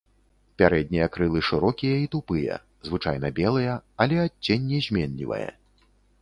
Пярэднія крылы шырокія і тупыя, звычайна белыя, але адценне зменлівае.